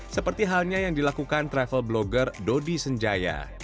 seperti halnya yang dilakukan travel blogger dodi senjaya